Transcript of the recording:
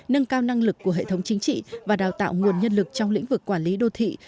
nâng cao năng lực của hệ thống chính trị và đào tạo nguồn nhân lực trong lĩnh vực quản lý đô thị